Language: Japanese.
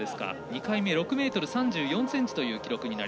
６ｍ３４ｃｍという記録。